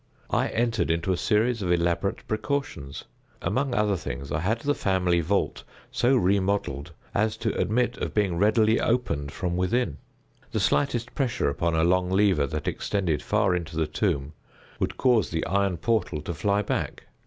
I entered into a series of elaborate precautions. Among other things, I had the family vault so remodelled as to admit of being readily opened from within. The slightest pressure upon a long lever that extended far into the tomb would cause the iron portal to fly back.